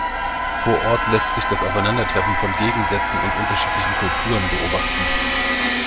Vor Ort lässt sich das Aufeinandertreffen von Gegensätzen und unterschiedlichen Kulturen beobachten.